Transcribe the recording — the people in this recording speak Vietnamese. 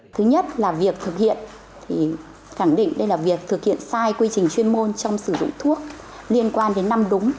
thứ nhất là việc thực hiện thì khẳng định đây là việc thực hiện sai quy trình chuyên môn trong sử dụng thuốc liên quan đến năm đúng